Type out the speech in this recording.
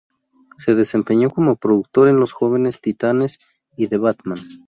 Se desempeñó como productor en Los Jóvenes Titanes y The Batman.